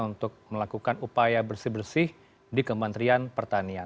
untuk melakukan upaya bersih bersih di kementerian pertanian